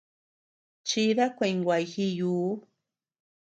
Chida kuey guay jiyuu.